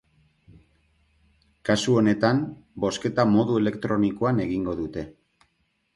Kasu honetan, bozketa modu elektronikoan egingo dute.